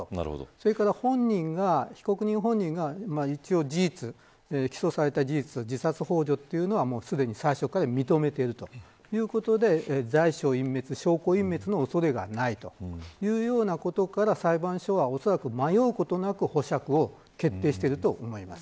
それから被告人本人が起訴された事実自殺ほう助というのはすでに最初から認めているということで罪証隠滅、証拠隠滅の恐れがないというようなことから裁判所はおそらく迷うことなく保釈を決定していると思います。